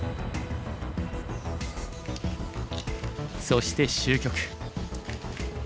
そして終局。